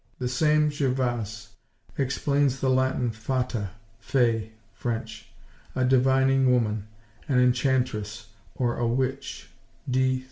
The same Gervase explains the Latin fata (fée, French) a divining woman, an enchantress, or a witch (D.